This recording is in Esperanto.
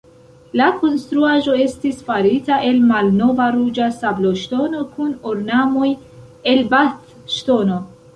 La konstruaĵo estis farita el malnova ruĝa sabloŝtono, kun ornamoj el Bath-Ŝtono.